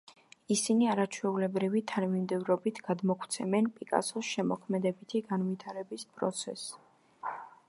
ისინი არაჩვეულებრივი თანმიმდევრობით გადმოგვცემენ პიკასოს შემოქმედებითი განვითარების პროცესს“.